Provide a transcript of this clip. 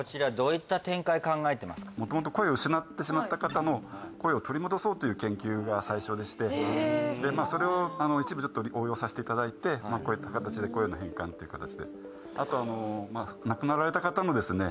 奥さん元々声を失ってしまった方の声を取り戻そうという研究が最初でしてそれを一部ちょっと応用させていただいてこういった形で声の変換という形であと亡くなられた方のですね